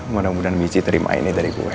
mudah mudahan michi terima ini dari gue